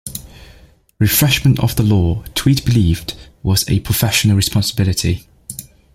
Refreshment of the law, Tweed believed, was a professional responsibility.